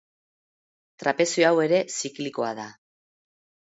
Trapezio hau ere ziklikoa da.